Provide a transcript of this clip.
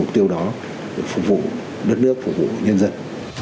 và mục tiêu đó là phục vụ đất nước phục vụ nhân dân